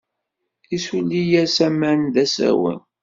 Issuli-as aman d asawen.